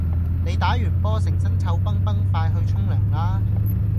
你打完波成身臭肨肨快去沖涼啦